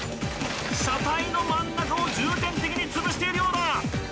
車体の真ん中を重点的につぶしているようだ